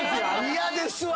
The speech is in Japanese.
嫌ですわ